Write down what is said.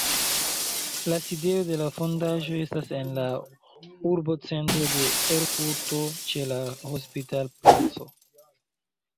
La sidejo de la fondaĵo estas en la urbocentro de Erfurto ĉe la Hospital-placo.